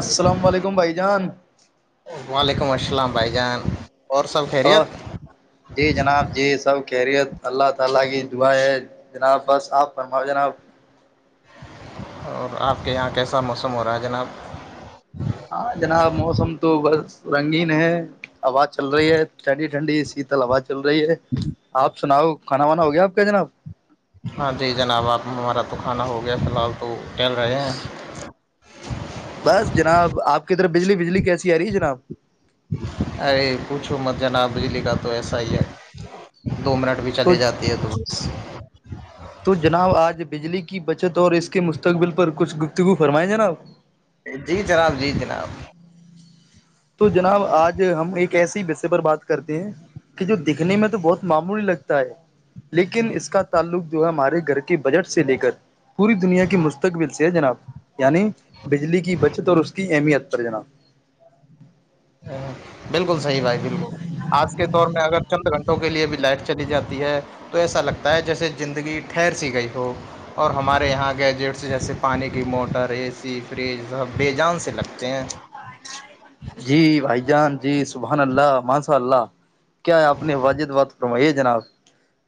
السلام علیکم بھائی جان وعلیکم السلام بھائی جان اور سب خیریت اور جی جناب جی سب کیہریت اللہ تعالی کی دعا ہے جناب بس آپ فرماؤ جناب اور آپ کے یہاں کیسا موسم ہو رہا ہے جناب ہاں جناب موسم تو بس رنگین ہے آواز چل رہی ہے ٹنڈی ٹھنڈی شیتل آواز چل رہی ہے آپ سناؤ کھانا وانا ہو گیا آپ کا جناب ہاں جی جناب آپ ہمارا تو کھانا ہو گیا فی الحال تو کل رہے ہیں بس جناب آپ کے ادھر بجلی بجلی کیسی آ رہی ہے جناب ارے پوچھو مت جناب بجلی کا تو ایسا ہی ہے تو مرٹ بھی تو چلی جاتی ہے تو بس تو جناب آج بجلی کی بچت اور اس کے مستقبل پر کچھ گفتگو فرمائیں جناب جی جناب جی جناب تو جناب آج ہم ایک ایسے ہی بسے پر بات کرتے ہیں کہ جو دکھنے میں تو بہت معمولی لگتا ہے لیکن اس کا تعلق جو ہے ہمارے گھر کے بجٹ سے لے کر پوری دنیا کے مستقبل سے ہے جناب یعنی بجلی کی بچت اور اس کی اہمیت پر جناب بالکل صحیح بھائی بالکل آج کے دور میں اگر چند گھنٹوں کے لیے بھی لائٹ چلی جاتی ہے تو ایسا لگتا ہے جیسے زندگی ٹھہر سی گئی ہو اور ہمارے یہاں گیجٹس جیسے پانی کی موٹر اے سی فریج سب بے جان سے لگتے ہیں جی بھائی جان جی سبحان اللہ مانساء اللہ کیا ہے آپ نے واجد بات فرمائیے جناب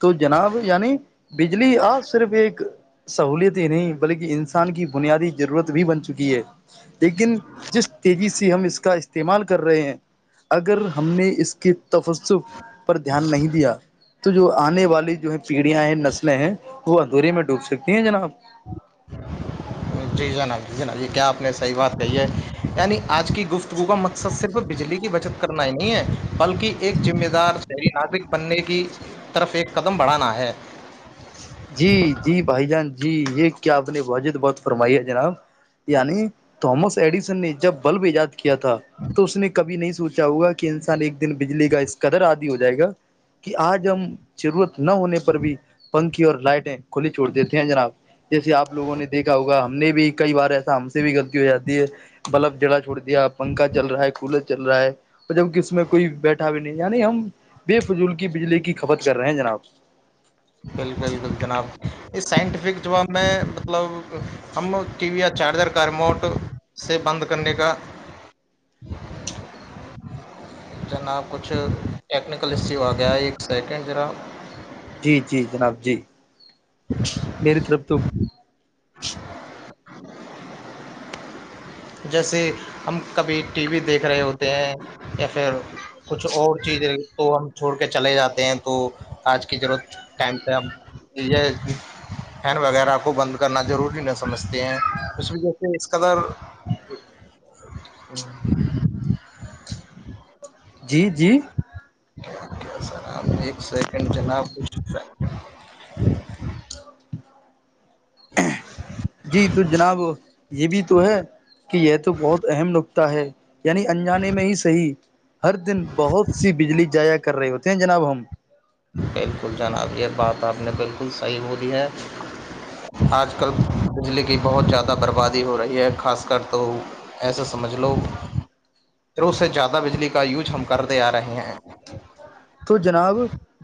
تو جناب یعنی بجلی آ صرف ایک سہولت ہی نہیں بلکہ انسان کی بنیادی ضرورت بھی بن چکی ہے لیکن جس تیزی سے ہم اس کا استعمال کر رہے ہیں اگر ہم نے اس کے تفسف پر دھیان نہیں دیا تو جو آنے والی جو ہے پیڑیاں ہیں نسلیں ہیں وہ اندورے میں ڈوب سکتی ہیں جنا جی جناب جی جناب یہ کیا آپ نے صحیح بات کہی ہے یعنی آج کی گفتگو کا مقصد صرف بجلی کی بچت کرنا ہی نہیں ہے بلکہ ایک ذمہ دار شہری ناظرک بننے کی طرف ایک قدم بڑھانا ہے جی جی بھائی جان جی یہ کیا آپ نے واجد بہت فرمائی ہے جناب یعنی تھامس ایڈیسن نے جب بلب ایجاد کیا تھا تو اس نے کبھی نہیں سوچا چاہوں گا کہ انسان ایک دن بجلی کا قدر آدی ہو جائے گا کہ آج ہم ضرورت نہ ہونے پر بھی پنکھی اور لائٹیں کھلی چھوڑ دیتے ہیں جناب جیسے آپ لگوں نے دیکا ہوگا ہم نے بھی کئی بار ای آام سے بھی غلطی ہو جاتی ہے بلب جڑا چھوڑ دیا پنکھا چل رہا ہے کول چل رہا ہے اور جب کہ اس میں کوئی بیٹھا بھی نہیں یعنی ہم بے فضول کی بجلی کی کھپت کر رہے ہیں جناب بالکل بالکل جناب یہ سائنٹیفک جو میں مطلب ہم ٹی وی یا چارجر کا ریموٹ سے بند کرنے کا جنا کچھ ٹیکنیکل ایشو آ گیا ہے ایک سیکنڈ ذرا جی جی جناب جی میری طرف تو [inaudible] [inaudible] جیسے ہم کبھی ٹی وی دیکھ رہے ہوتے ہیں یا پھر کچھ اور چیزیں تو ہم چھوڑ کے چلے جاتے ہیں تو آج کی ضرورت ٹائم [unintelligible] فین وغیرہ کو بند کرنا ضروری نہیں سمجھتے ہیں اس وجہ سے اس قدر ہ [unintelligible] جی جی کیا سرام ایک سیکنڈ جناب خ جی تو جناب یہ بھی تو ہے کہ یہ تو بہت اہم نق ہے یعنی انجانے میں ہی صحی ہر دن بہت سی بجلی جایا کر رہے ہوتی کین جناب ہم بالکل جناب یہ بات آپ نے بالکل صحیح ہو دی ہے آج کل بجلی کی بہت زیادہ بربادی ہو رہی ہے خاص کر تو ایسے سمجھ لو و سے زیادہ بجلی کا یوز ہم کرتے آ رہے ہیں تو جناب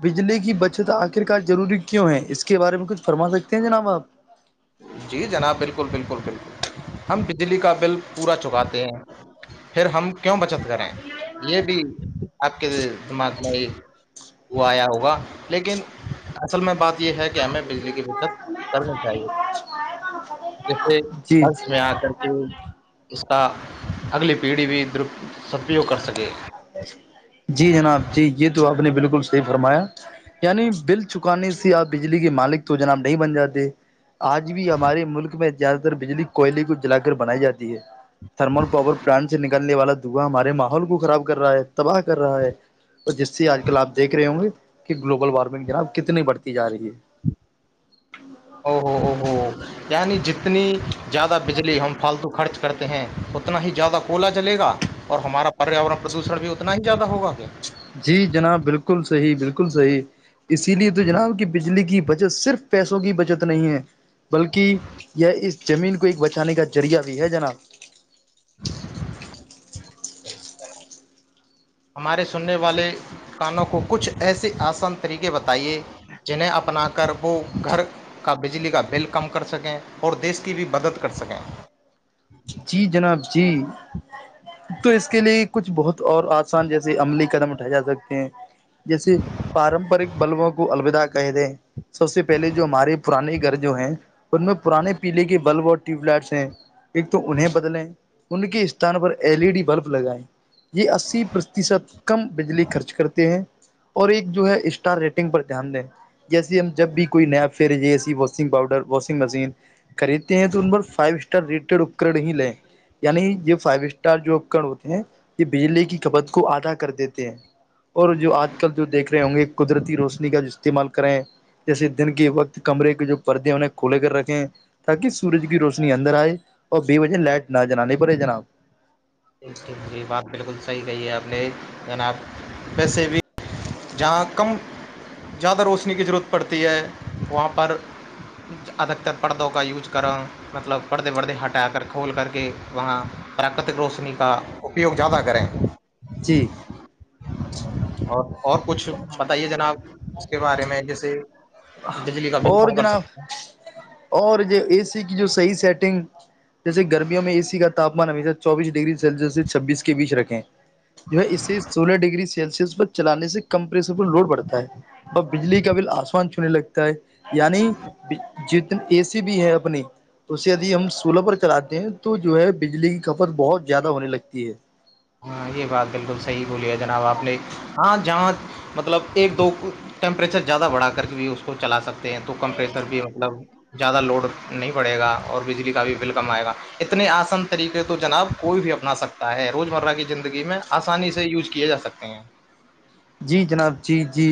بجلی کی بچت آخر کار ضروری کیوں ہے اس کے بارے میں کچھ فرما سکتے ہیں جناب آپ جی جناب بالکل بالکل بالکل ہم بجلی کا بل پورا چکاتے ہیں پھر ہم کیوں بچت کریں یہ بھی آپ کے دماغ میں وہ آیا ہوگا لیکن اصل میں بات یہ ہے کہ ہمیں بجلی کی بکت چلنی چاہیے جیسے جی جی وت میں آ کر کے اس کا اگلی پیڑھی بھی دپ جی جناب جی یہ تو آپ نے بالکل صحی فرمایا یعنی بل چکانے سے آپ بجلی کے مالک تو جناب نہیں بن جاتے آج بھی ہمارے ملک میں زیادہ تر بجلی کوئلے کو جلا کر بنائی جاتی ہے تھرمل پاور پلانٹ سے نکالنے والا دھوا ہمارے ماحول کو خراب کر رہا ہے تباہ کر رہا ہے تو جس سے آج کل آ دیکھ رہے ہوں گے کہ گلوبل وارمنگ جرب کتنی بڑھتی جا رہی ہے او ہو ہو ہو یعنی جتنی زیادہ بجلی ہم فالتو خرچ کرتے ہیں اتنا ہی زیادہ کولا چلے گا اور ہمارا پریاورن پردوشن بھی اتنا ہی زیادہ ہوگا کہ جی جناب بالکل صحیح بالکل صحیح اسی لیے تو جناب کہ بجلی کی بچت صرف پیسوں کی بچت نہیں ہے بلکہ یہ اس زمین کو ایک بچانے کا ذریعہ بھی ہے جناب [unintelligible] ہمارے سننے والے کانوں کو کچھ ایسے آسان طریقے بتائیے جن اپنا کربو گھر کا بجلی کا بل کم کر سکیں اور دیس کی بھی مدد کر سکیں جی جناب جی تو اس کے لیے کچھ بہت اور آسان جیسے عملی قدم اٹھائے جا سکتے ہیں جیسے پارمپرک بلبوں کو الوداع کہہ دیں سب سے پہلے جو ہمارے پرانے گھر جو ہیں ان میں پرانے پیلے کے بلب اور ٹیوب لائٹس ہیں ایک تو انہیں بدلے ان کے استان پر ایل ای ڈی بلب لگائے یہ اسی پرتیشت کم بجلی خرچ کرتے ہیں اور ایک جو ہے اسٹار ریٹنگ پر دھیان دیں جیسیے ہم جب بھی کوئی نیپ پھیرےیے ایسی واسنگ پاؤڈر واسنگ مشین خریدتے ہیں تو ان پر فائیو اسٹار ریٹیڈ اپکر ہی لیں یعنی یہ فائیو اسٹار جو اپکر ہوتے ہیں یہ بجلی کی کپت کو آدھا کر دیتے ہیں اور جو آج کل جو دیکھ رہے ہوں گے قدرتی روشنی کا جو استعمال کریں جیسے دن کے وقت کمرے کے جو پردے ہیں انہیں کھولے کر رکھے تاکہ سورج کی روشنی اندر آئے اور بے وجہ لائٹ نہ جلانانی پڑے جناب ٹھیک ٹھیک جی بات بالکل صحیح کہی ہے آپ نے جناب پیسے بھی جہاں کم زیادہ روشنی کی ضرورت پڑتی ہے وہاں پر ادھک تر پردوں کا یوج کرو مطلب پردے پردے ہٹا کر کھول کر کے وہاں پراکرتک روشنی کا اپیوگ زیادہ کریں جی اور اور کچھ بتائیے جناب اس کے بارے میں جیسے بجلی کا بل اور کم کر جناب سکتے ہیں اور یہ اے سی کی جو صحیح سیٹنگ جیسے گرمیوں میں اے سی کا تامان امیشہ چوبیس ڈگری سلسس سے چھبیس کے بیچ رکھیں جو ہے اس سے سولہ ڈگری سے سلسس پر چلانے سے کم پریشر پر لوڈ بڑتا ہے اور بجلی کا بل آسمان چھونے لگتا یعنی جتنی اے سی بھی ہے اپنی تو اسے یدی ہم سولہ پر چلاتے ہیں تو جو ہے بجلی کی کھپت بہت زیادہ ہونے لگتی ہے ہاں یہ بات بالکل صحیح بولی ہے جناب آپ نے ہاں جہاں مطلب ایک دو ٹیمپریچر زیادہ بڑھا کر کے بھی اس کو چلا سکتے ہیں تو کمپریچر بھی مطلب زیادہ لوڈ نہیں پڑے گا اور بجلی کا بھی بل کم آئے گا اتنے آسان طریقے تو جناب کوئی بھی اپنا سکتا ہے روزمرہ کی زندگی میں آسانی سے یوز کیے جا سکتے ہیں جی جناب جی جی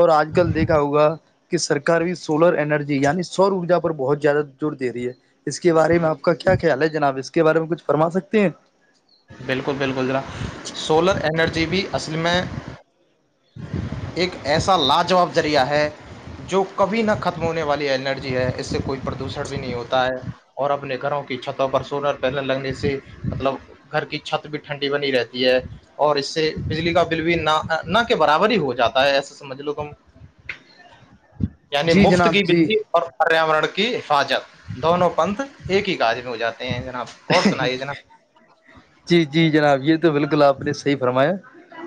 اور آج کل دیکھا ہوگا کہ سرار بھی سولر انرجی یعنی سوور ارجا پر بہت زیادہ زور دے رہی ہے اس کے بارے میں آپ کا کیا خیال ہے جناب اس کے بارے میں کچھ فرما سکتے ہیں بالکل بالکل ذرا سولر انرجی بھی اصل میں ایک ایسا لاجاب ذریعہ ہے جو کبھی نہ ختم ہونے والی انرجی ہے اس سے کوئی پردوشن بھی نہیں ہوتا ہے اور اپنے گھروں کی چھتوں پر سولر پنل لگنے سے مطلب گھر کی چھت بھی ٹھنڈی بنی رہتی ہے اور اس سے بجلی کا بل بھی نہ نہ کے برابر ہی ہو جاتا ہے ایسے سمجھ لو تم یعنی جی مفت کی جناب جی بجلی اور پریاورن کی حفاظت دونوں پنتھ ایک ہی کاج میں ہو جاتے ہیں جناب اور سنائیے جناب جی جی جناب یہ تو بالکل آپ نے صحیح فرمایا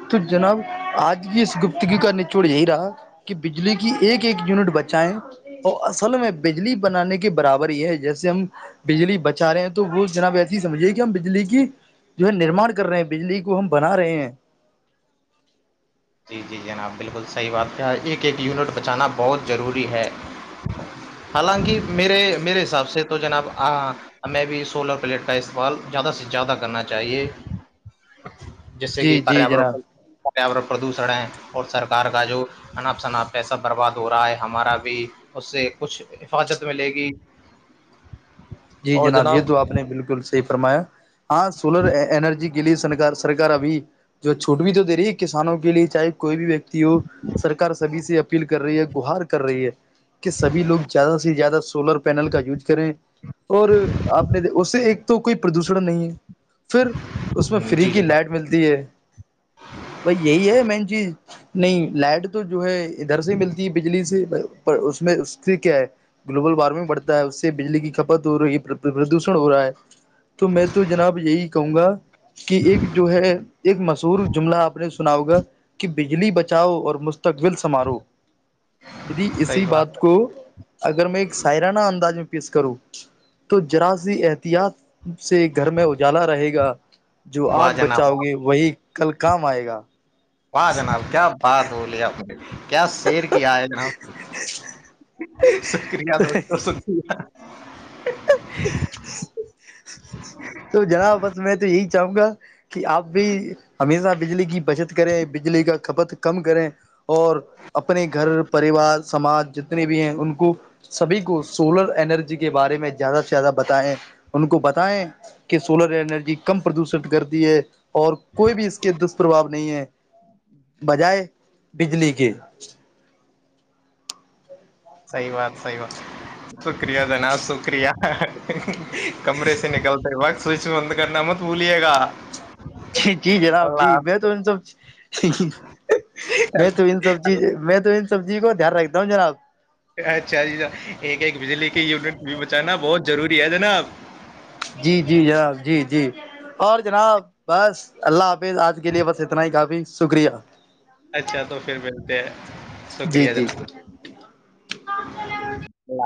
تو جناب آج بھی اس گپتگی کا نچوڑ یہی رہا کہ بجلی کی ایک ایک یونٹ بچائائے وہ اصل میں بجلی بنانے کے برابر یہ ہے جیسے ہم بجلی بچا رہے ہیں تو تو وہ جناب ایسی ہی سمجھیے کہ ہم بجلی کی جو ہے نرمان کر رہے ہیں بجلی کو ہم بنا رہے ہیں جی جی جناب بالکل صحیح بات کہ ایک ایک یونٹ بچانا بہت ضروری ہے ہ حالانکہ میرے میرے حساب سے تو جناب ہمیں بھی سولر پلیٹ کا استعمال زیادہ سے زیادہ کرنا چاہیے جس سے کہ جی جی پریا جناب پریاورن پردوشن ہے اور سرکار کا جو انپ شناپ پیسہ برباد ہو رہا ہے ہمارا بھی اس سے کچھ حفاظت ملے گی جی جناب یہ تو آپ نے بالکل صحیح فرمایا ہاں سولر انرجی کے لیے سنار سرار ابھی جو چھوٹ بھی تو دے رہی ہے کسانوں کے لیے چاہے کوئی بھی ویکتی سرکار سبھی سے اپیل کر رہی ہے گہار کر رہی ہے کہ سبھی لوگ زیادہ سے زیادہ سولر پینل کا یوز کریں اور آپ نے اس سے ایک تو کوئی پردوشن نہیں ہے پھر اس میں فری جی کی جناب لائٹ ملتی ہے بائی یہی ہے مین چیز نہیں لائٹ تو جو ہے ادھر سے ملتی ہے بجلی سے اس میں اس سے کیا ہے گلوب وارمنگ بڑتا ہے سے بجلی کی کپ ہو رہی پردوشن ہو رہا ہے تو میں تو جناب یہی کہوں گا کہ ایک جو ہے ایک مشہور جملہ آپ نے سنا ہوگا کہ بجلی بچاؤ اور مستقبل سمارو دیدی اسی بات کو اگر میں ایک سائرانہ انداز میں پیش کروں تو جراازی احتیاط سے گھر میں اجالا رہے گا جو ہے واہ آج بچہ جناب واہ ہوگی وہی کل کام آئے گا وہاں جناب کیا بات بولی آپ نے کیا شیر کیا ہے جاں شکریہ دوستوں ٹھیک ہے [inaudible] تو جناب بس میں تو یہی چاہوں گا کہ آپ بھی ہمیشہ بجلی کی بچت کریں بجلی کا کپت کم کریں اور اپنے گھر پریوار سماج جتنے بھی ہیں ان کو سبھی کو سولر ارجی کے بارے میں زیادہ سے زیادہ بتائیں ان کو بتائیں کہ سولر اینرجی کم پردوشت کر دی ہے اور کوئی بھی اس کے دشپربھو نہیں ہے بجائے بجلی کے صحیح بات صحیح بات شکریہ جناب شکریہ کمرے سے نکلتے بق سوئچ بند کرنا مت بھلیے گا ج جی جناب جی اللہ میں تو ان سب میں اللہ- تو ان سب چیز میں تو ان سب چیز کو دھیان رکھتا ہوں جناب اچھا جی ایک ایک بجلی کے یونٹ بھی بچانا بہت ضروری ہے جناب جی جی جناب جی جی اور جناب بس اللہ حافظ آج کے لیے بس اتنا ہی کافی شکریہ اچھا تو پھر ملتے ہیں جی شکریہ جی جناب اللہ